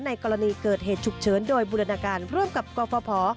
กรณีเกิดเหตุฉุกเฉินโดยบูรณาการร่วมกับกรฟภ